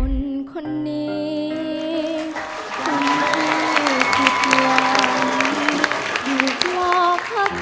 ร้องได้ให้ร้าง